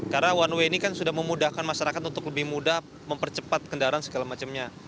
karena one way ini kan sudah memudahkan masyarakat untuk lebih mudah mempercepat kendaraan segala macamnya